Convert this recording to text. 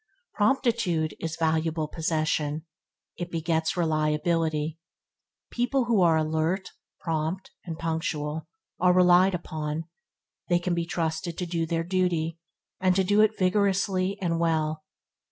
Promptitude is valuable possession. It begets reliability. People who are alert, prompt, and punctual are relied upon. They can be trusted to do their duty, and to do it vigorously and well.